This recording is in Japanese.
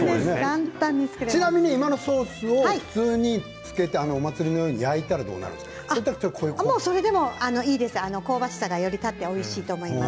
ちなみに今のソースを普通につけて、お祭りのようにそれでもいいです香ばしさがより立っておいしいと思います。